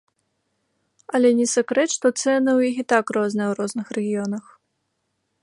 Але не сакрэт, што цэны ў іх і так розныя ў розных рэгіёнах.